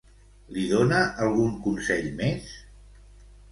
Li dona algun consell més?